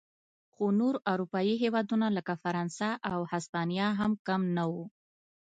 خو نور اروپايي هېوادونه لکه فرانسه او هسپانیا هم کم نه و.